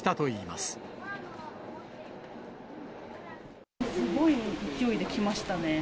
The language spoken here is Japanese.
すごい勢いで来ましたね。